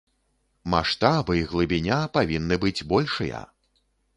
Маштаб і глыбіня павінны быць большыя.